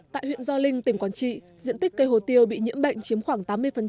tại huyện gio linh tỉnh quảng trị diện tích cây hồ tiêu bị nhiễm bệnh chiếm khoảng tám mươi